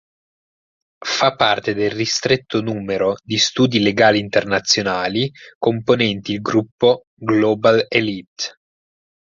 Fa parte del ristretto numero di studi legali internazionali componenti il gruppo "Global Elite".